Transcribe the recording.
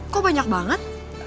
kok banyak banget